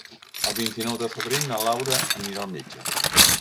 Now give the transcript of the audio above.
El vint-i-nou de febrer na Laura anirà al metge.